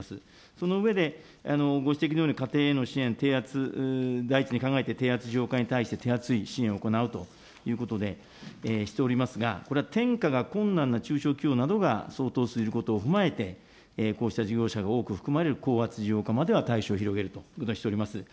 その上で、ご指摘のように家庭への支援、低圧、第一に考えて低圧需要家に対して手厚い、手厚い支援を行うということでしておりますが、これは転嫁が困難な中小企業が相当いることを踏まえて、こうした事業者が多く含まれる高圧事業者までは対象を広げるとしております。